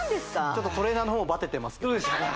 ちょっとトレーナーの方もバテてますけどどうでしたか？